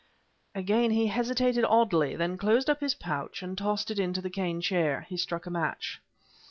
Again he hesitated oddly; then closed up his pouch and tossed it into the cane chair. He struck a match.